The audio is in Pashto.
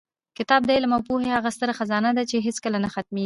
کتاب د علم او پوهې هغه ستره خزانه ده چې هېڅکله نه ختمېږي.